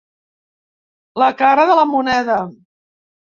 La cara de la moneda.